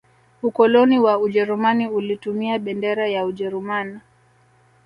ukoloni wa ujerumani ulitumia bendera ya ujeruman